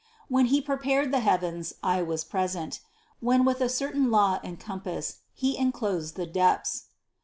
27. "When He prepared the heavens, I was present : when with a certain law and compass He enclosed the depths."